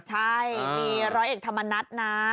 ใช่มีร้อยเอกธรรมนัฏนะ